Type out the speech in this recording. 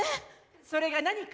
それが何か？